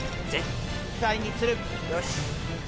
よし！